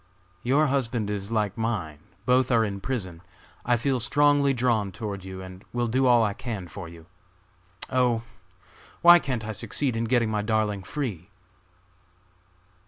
"Your husband is like mine, both are in prison. I feel strongly drawn toward you and will do all I can for you. Oh! why can't I succeed in getting my darling free!"